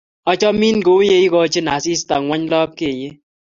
Achamin kou ye ikochin asista ng'wony lapkeiyet.